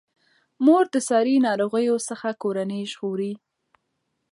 مور د ساري ناروغیو څخه کورنۍ ژغوري.